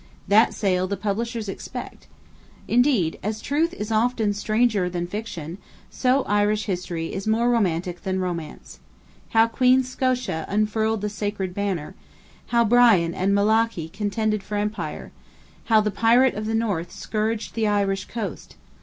That sale the Publishers expect. Indeed, as truth is often stranger than fiction, so Irish history is more romantic than romance. How Queen Scota unfurled the Sacred Banner. How Brian and Malachy contended for empire. How the "Pirate of the North" scourged the Irish coast.